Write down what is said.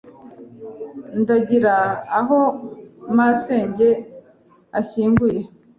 Ndangira aho masenge ashyinguye